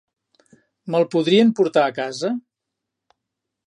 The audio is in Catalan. Me'l podrien portar a casa?